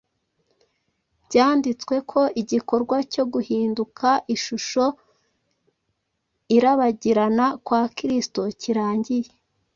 Byanditswe ko igikorwa cyo guhinduka ishusho irabagirana kwa Kristo kirangiye,